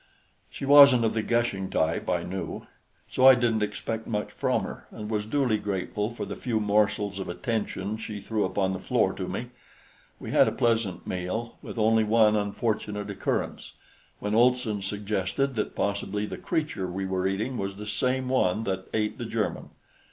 She wasn't of the gushing type, I knew; so I didn't expect much from her and was duly grateful for the few morsels of attention she threw upon the floor to me. We had a pleasant meal, with only one unfortunate occurrence when Olson suggested that possibly the creature we were eating was the same one that ate the German.